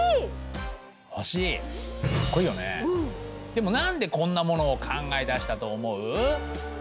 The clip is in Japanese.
でも何でこんなものを考え出したと思う？